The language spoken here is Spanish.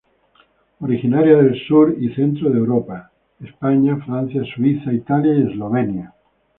Originaria del sur y centro de Europa; España, Francia, Suiza, Italia, Eslovenia.